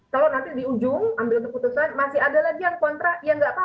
kalau nanti di ujung ambil keputusan masih ada lagi yang kontra ya nggak apa apa